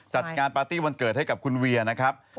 จัดงานปาร์ตี้วันเกิดให้กับคุณเวียนะครับ